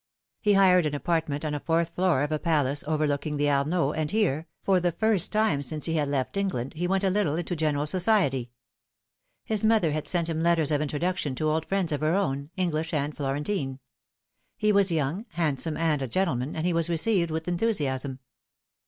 He hired an apartment on a fourth floor of a palace overlooking the Arno, and here, for the first time since he had left England, he went a little into general society. His mother had sent him letters of introduction to old friends of her own, English and Florentine ; he was young, handsome, and a gentleman, and he was received with enthusiasm.